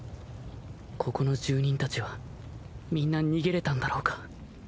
ここの住人たちはみんな逃げれたんだろうか？